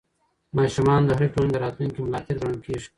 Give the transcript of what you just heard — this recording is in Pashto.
ماشومان د هرې ټولنې د راتلونکي ملا تېر ګڼل کېږي.